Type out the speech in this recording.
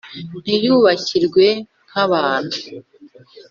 Ntiyubakirwe nk’abantu,